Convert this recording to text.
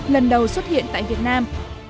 lần đầu xuất hiện tại việt nam